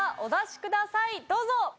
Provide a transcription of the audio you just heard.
どうぞ！